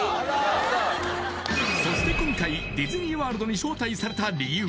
そして今回ディズニー・ワールドに招待された理由